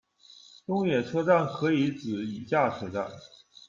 东野车站可以指以下车站：